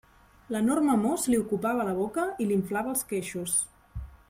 L'enorme mos li ocupava la boca i li inflava els queixos.